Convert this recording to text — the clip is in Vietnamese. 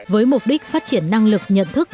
với mục đích phát triển năng lực nhận thức